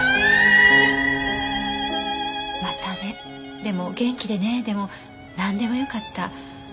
「またね」でも「元気でね」でもなんでもよかった。